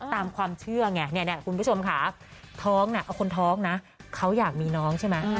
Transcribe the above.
ตามความเชื่อไงเนี่ยคุณผู้ชมค่ะท้องน่ะเอาคนท้องนะเขาอยากมีน้องใช่ไหม